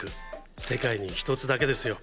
世界に一つだけですよ！